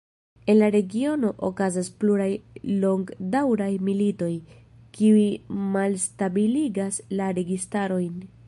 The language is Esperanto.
En la regiono okazas pluraj longdaŭraj militoj, kiuj malstabiligas la registarojn.